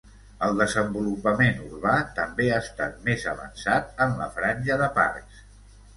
El desenvolupament urbà també ha estat més avançat en la franja de parcs.